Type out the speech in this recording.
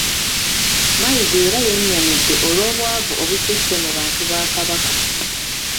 Mayiga era yenyamidde olw'obwavu obususse mu bantu ba Kabaka